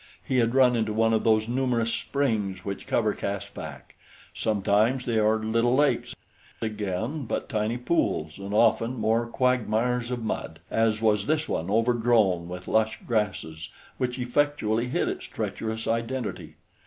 He had run into one of those numerous springs which cover Caspak. Sometimes they are little lakes, again but tiny pools, and often mere quagmires of mud, as was this one overgrown with lush grasses which effectually hid its treacherous identity.